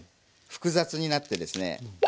複雑になってですね